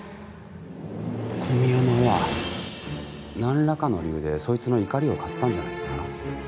小宮山は何らかの理由でソイツの怒りを買ったんじゃないですか？